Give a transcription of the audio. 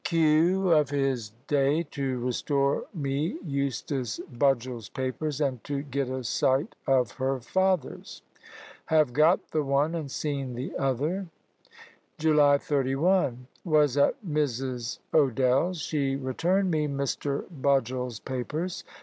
Q. of his da. to restore me Eustace Budgell's papers, and to get a sight of her father's. Have got the one, and seen the other. July 31. Was at Mrs. Odell's; she returned me Mr. Budgell's papers.